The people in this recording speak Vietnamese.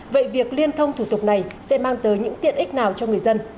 vậy việc liên thông thủ tục này sẽ mang tới những tiện ích nào cho người dân